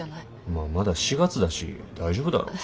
まあまだ４月だし大丈夫だろう。